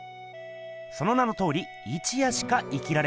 その名のとおり一夜しか生きられない